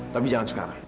tapi jangan sekarang